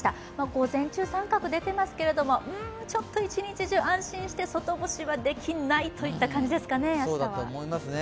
午前中、△出てますけど、うんちょっと一日中、安心して外干しはできないといった感じですかね、明日は。